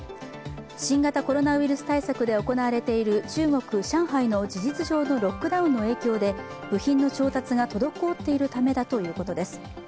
新型コロナウイルス対策で行われている中国・上海の事実上のロックダウンの影響で部品の調達が滞っているためだということです。